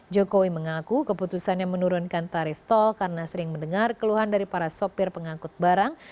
jokowi mengaku keputusannya menurunkan tarif tol karena sering mendengar keluhan dari para sopir pengangkut barang